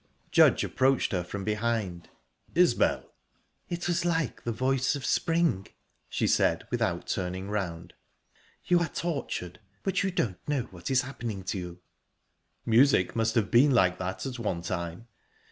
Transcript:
Judge approached her from behind..."Isbel!"... "It was like the voice of spring," she said, without turning round. "You are tortured, but you don't know what is happening to you." "Music must have been like that at one time."